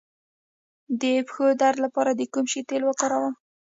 د پښو درد لپاره د کوم شي تېل وکاروم؟